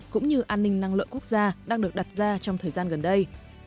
cũng như an ninh năng lượng quốc gia đang được đặt ra trong thời gian gần đây